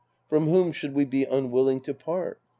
From whom should we be unwilling to part.